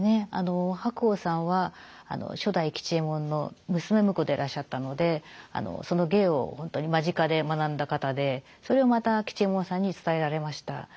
白鸚さんは初代吉右衛門の娘婿でいらっしゃったのでその芸を本当に間近で学んだ方でそれをまた吉右衛門さんに伝えられました。